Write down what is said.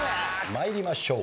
参りましょう。